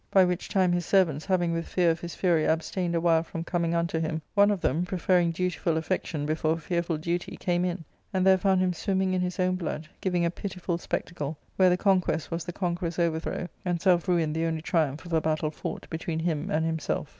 By which time his servants having with fear of his fury abstained a while from coming unto him, one of them, preferring dutiful affection before fearful duty, came in, and there found him swimming in his own blood, giving a pitiful spectacle, where the conquest was the conqueror's overthrow, and self ruin the only triumph of a battle fought between him and himself.